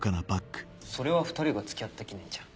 それは２人が付き合った記念じゃん。